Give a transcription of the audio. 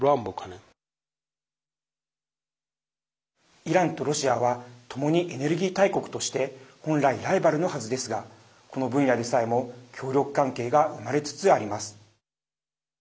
イランとロシアはともにエネルギー大国として本来ライバルのはずですがこの分野でさえも協力関係が生まれつつあります。